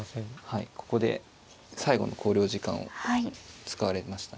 はいここで最後の考慮時間を使われましたね。